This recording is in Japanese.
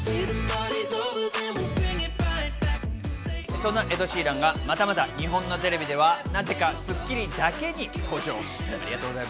そんなエド・シーランがまたまた日本のテレビではなぜか『スッキリ』だけに登場。